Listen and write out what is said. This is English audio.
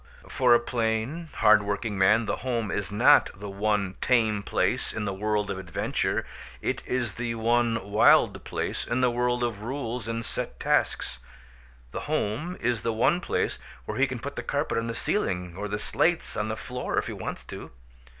For a plain, hard working man the home is not the one tame place in the world of adventure. It is the one wild place in the world of rules and set tasks. The home is the one place where he can put the carpet on the ceiling or the slates on the floor if he wants to.